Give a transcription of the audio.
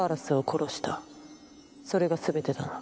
それが全てだな？